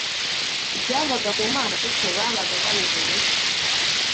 Ibyavaga ku mana kuko babaga bayobowe